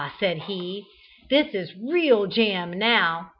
said he, "this is real jam, now!"